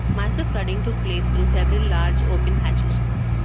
Massive flooding took place through several large open hatches.